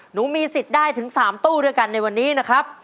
หนูมีสิทธิ์ได้ถึง๓ตู้ด้วยกันในวันนี้นะครับ